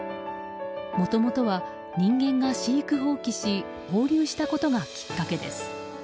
もともとは人間が飼育放棄し放流したことがきっかけです。